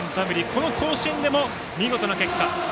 この甲子園でも見事な結果。